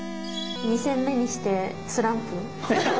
２戦目にしてスランプ。